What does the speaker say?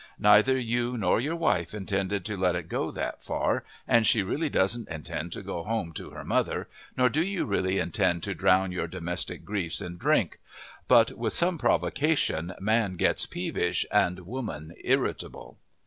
Neither you nor your wife intended to let it go that far, and she really doesn't intend to go home to her mother, nor do you really intend to drown your domestic griefs in drink. But with some provocations man gets peevish and woman irritable.